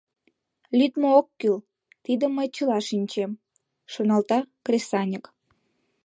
«Лӱдмӧ ок кӱл, тидым мый чыла шинчем», — шоналта кресаньык.